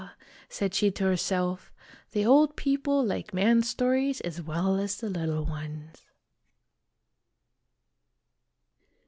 said she to herself, "the old people like man stories as well as the little ones